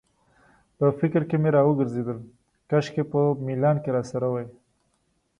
په فکر کې مې راوګرځېدل، کاشکې په میلان کې راسره وای.